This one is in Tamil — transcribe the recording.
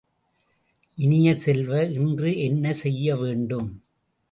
இனிய செல்வ, இன்று என்ன செய்யவேண்டும்?